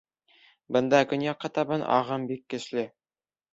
Бында көньяҡҡа табан ағым бик көслө.